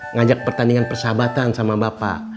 ngajak pertandingan persahabatan sama bapak